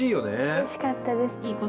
うれしかったです。